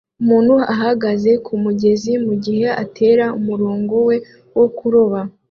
Umuntu uhagaze kumugezi mugihe atera umurongo we wo kuroba